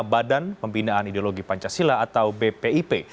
badan pembinaan ideologi pancasila atau bpip